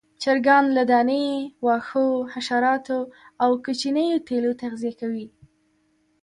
چرګان له دانې، واښو، حشراتو او کوچنيو تیلو تغذیه کوي.